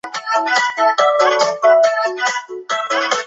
吕诺人口变化图示